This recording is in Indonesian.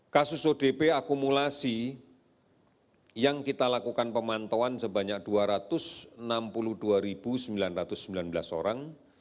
kasus odp akumulasi yang kita lakukan pemantauan sebanyak dua ratus enam puluh dua sembilan ratus sembilan belas orang